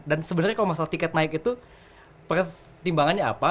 dan sebenarnya kalau masalah tiket naik itu pertimbangannya apa